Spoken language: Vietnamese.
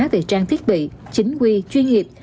về trang thiết bị chính quy chuyên nghiệp